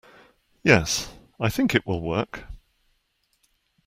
Yes, I think it will work.